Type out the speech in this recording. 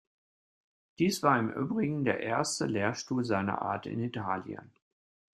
Dies war im übrigen der erste Lehrstuhl seiner Art in Italien.